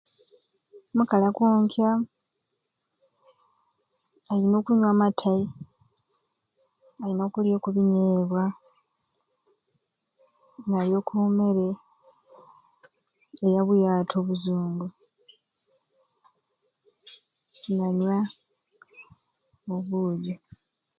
Omukali okonca ayina okunywa amatai alina okulya oku binyebwa nalya oku mmere eya buyaata obuzungu nanywa obugi